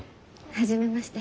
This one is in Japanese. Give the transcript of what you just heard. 初めまして。